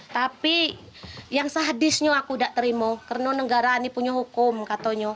tapi yang sehadisnya aku tidak terima karena negara ini punya hukum katanya